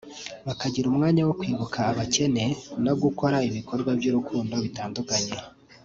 bakagira umwanya wo kwibuka abakene no gukora ibikorwa by’urukundo bitandukanye